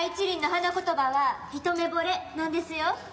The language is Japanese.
１輪の花言葉は「ひと目ぼれ」なんですよ。